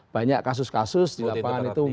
banyak kasus kasus di lapangan itu